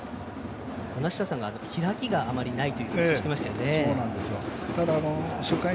梨田さんが開きがあまりないという話をしていましたよね。